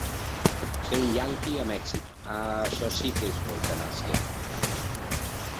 Ser un ianqui a Mèxic —Ah, això sí que és eutanàsia!